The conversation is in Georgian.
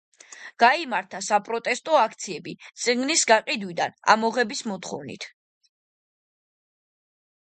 გაიმართა საპროტესტო აქციები წიგნის გაყიდვიდან ამოღების მოთხოვნით.